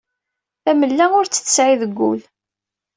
Tamella ur tt-tesɛi deg ul.